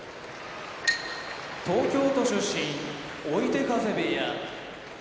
東京都出身追手風部屋